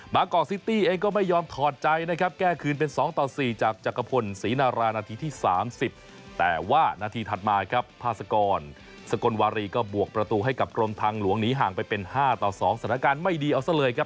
กอกซิตี้เองก็ไม่ยอมถอดใจนะครับแก้คืนเป็น๒ต่อ๔จากจักรพลศรีนารานาทีที่๓๐แต่ว่านาทีถัดมาครับพาสกรสกลวารีก็บวกประตูให้กับกรมทางหลวงหนีห่างไปเป็น๕ต่อ๒สถานการณ์ไม่ดีเอาซะเลยครับ